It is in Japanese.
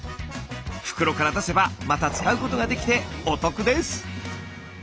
袋から出せばまた使うことができてお得です。